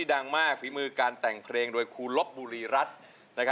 ดังมากฝีมือการแต่งเพลงโดยครูลบบุรีรัฐ